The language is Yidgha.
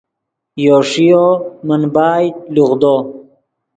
یو ݰیو من بائے لوغدو